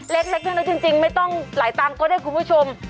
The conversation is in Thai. เล็กทั้งนั้นจริงไม่ต้องหลายตังค์ก็ได้คุณผู้ชม